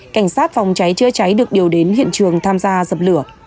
cảnh sát phòng cháy chữa cháy được điều đến hiện trường tham gia dập lửa